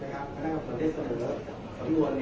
แต่ว่าไม่มีปรากฏว่าถ้าเกิดคนให้ยาที่๓๑